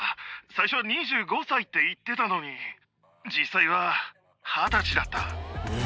最初は２５歳って言ってたのに、実際は２０歳だった。